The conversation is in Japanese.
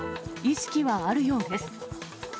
意識はあるようです。